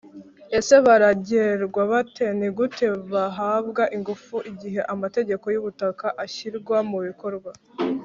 ese barengerwa bate, ni gute bahabwa ingufu igihe am- ategeko y’ubutaka ashyirwa mu bikorwa?